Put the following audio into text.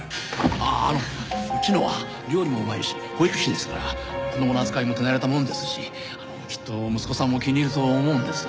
あっあのうちのは料理もうまいし保育士ですから子供の扱いも手慣れたもんですしあのきっと息子さんも気に入ると思うんです。